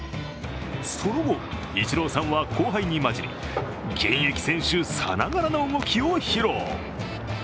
その後、イチローさんは後輩に交じり現役選手さながらの動きを披露。